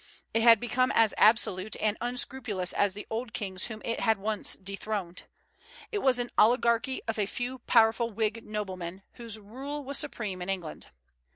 It had become as absolute and unscrupulous as the old kings whom it had once dethroned. It was an oligarchy of a few powerful whig noblemen, whose rule was supreme in England.